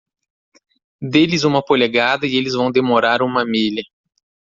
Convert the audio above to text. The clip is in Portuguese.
Dê-lhes uma polegada e eles vão demorar uma milha.